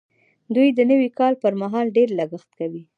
دوی د نوي کال پر مهال ډېر لګښت کوي.